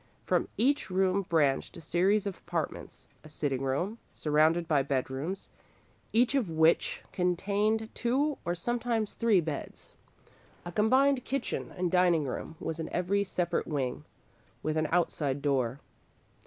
From each room branched a series of apartments a sitting room, surrounded by bedrooms, each of which contained two or sometimes three beds. A combined kitchen and dining room was in every separate wing, with an outside door.